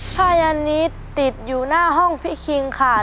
ผ้ายันนี้ติดอยู่หน้าห้องพี่คิงค่ะ